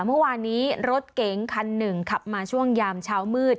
เมื่อวานนี้รถเก๋งคันหนึ่งขับมาช่วงยามเช้ามืด